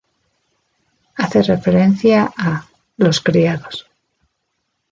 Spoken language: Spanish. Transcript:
Hace referencia a "los criados".